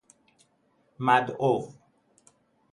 مدعو